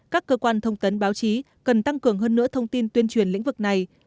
các cơ quan thông tấn báo chí cần tăng cường hơn nữa thông tin tuyên truyền lĩnh vực này